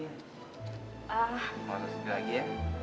nggak mau sedih lagi ya